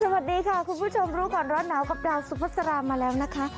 สวัสดีค่ะคุณผู้ชมรู้ก่อนร้อนหนาวกับดาวสุภาษามาแล้วนะคะ